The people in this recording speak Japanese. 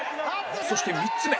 そして３つ目